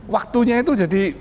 waktunya itu jadi